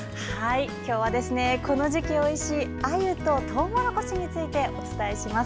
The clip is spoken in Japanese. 今日はこの時期おいしいアユとトウモロコシについてお伝えします。